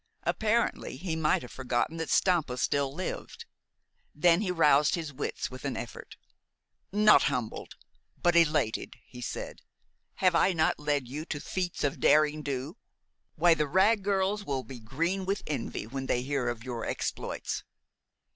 Apparently, he might have forgotten that Stampa still lived. Then he roused his wits with an effort. "Not humbled, but elated," he said. "Have I not led you to feats of derring do? Why, the Wragg girls will be green with envy when they hear of your exploits."